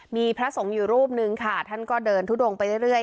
มีพระสงฆ์อยู่รูปนึงค่ะท่านก็เดินทุดงไปเรื่อย